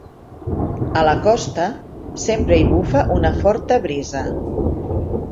A la costa, sempre hi bufa una forta brisa.